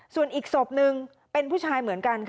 ส่วนอีกศพนึงเป็นผู้ชายเหมือนกันค่ะ